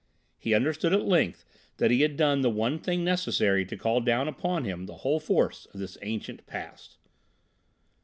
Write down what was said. He understood at length that he had done the one thing necessary to call down upon him the whole force of this ancient Past.